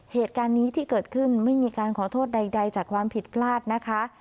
เหตุการณ์นี้ที่เกิดขึ้นไม่มีการขอโทษใดจากความผิดพลาดนะคะ